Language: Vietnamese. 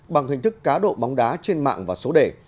bằng hình thức cá độ bóng đá trên mạng và số đề